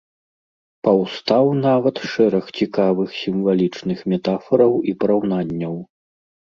Паўстаў нават шэраг цікавых сімвалічных метафараў і параўнанняў.